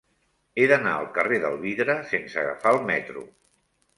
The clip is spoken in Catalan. He d'anar al carrer del Vidre sense agafar el metro.